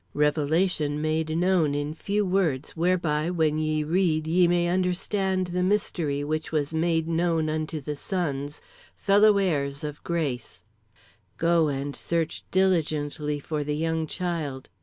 "Revelation made known in few words whereby when ye read ye may understand the mystery which was made known unto the sons, fellow heirs of Grace. "Go and search diligently for the young child.